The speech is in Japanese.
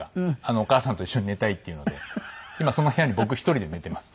「お母さんと一緒に寝たい」って言うので今その部屋に僕１人で寝てます。